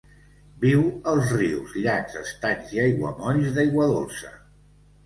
Viu als rius, llacs, estanys i aiguamolls d'aigua dolça.